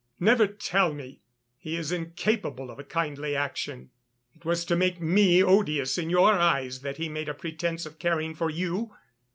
Never tell me! he is incapable of a kindly action. It was to make me odious in your eyes that he made a pretence of caring for you.